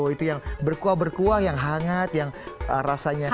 itu yang berkuah berkuah yang hangat yang rasanya